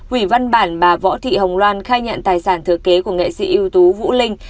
quỷ văn bản bà võ thị hồng loan khai nhận tài sản thừa kế của nghệ sĩ yếu tố vũ linh